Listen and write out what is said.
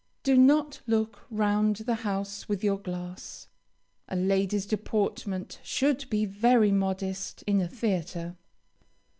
Do not look round the house with your glass. A lady's deportment should be very modest in a theatre.